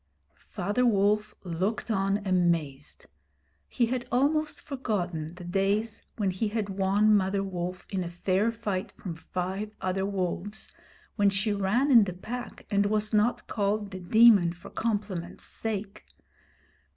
Father Wolf looked on amazed. He had almost forgotten the days when he had won Mother Wolf in fair fight from five other wolves, when she ran in the Pack and was not called The Demon for compliment's sake.